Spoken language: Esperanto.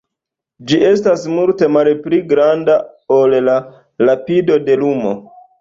Ĝi estas multe malpli granda ol la rapido de lumo.